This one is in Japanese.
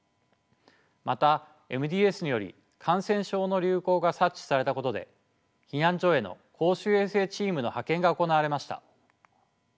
またＭＤＳにより感染症の流行が察知されたことで避難所への公衆衛生チームの派遣が行われました。